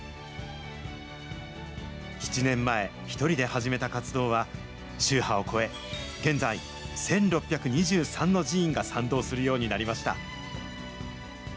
７年前、一人で始めた活動は、宗派を超え、現在、１６２３の寺院が賛同するようになりました。